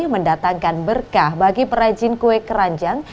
mendatangkan berkah bagi perajin kue keranjang